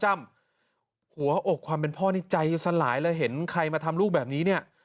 หัวอกความเป็นพ่อนี่ใจสลายเลยเห็นใครมาทำลูกแบบนี้เนี่ย